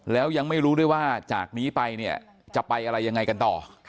แล้วยังไม่รู้ด้วยว่าจากนี้ไปเนี่ยจะไปอะไรยังไงกันต่อ